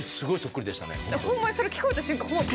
ホンマにそれ聞こえた瞬間。